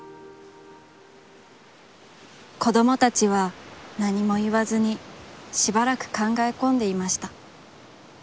子どもたちは、なにも言わずに、しばらくかんがえこんでいました。